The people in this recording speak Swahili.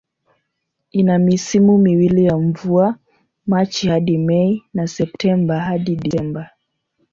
Ina misimu miwili ya mvua, Machi hadi Mei na Septemba hadi Disemba.